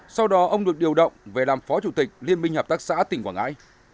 sau đó ông được điều động về làm phó chủ tịch liên minh hợp tác xã tỉnh quảng ngãi